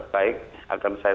baik akan saya